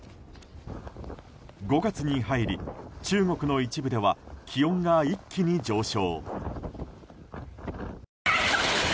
５月に入り、中国の一部では気温が一気に上昇。